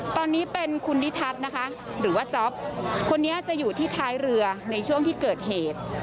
ตอนนี้เป็นคุณนิทัศน์นะคะหรือว่าจ๊อปคนนี้จะอยู่ที่ท้ายเรือในช่วงที่เกิดเหตุ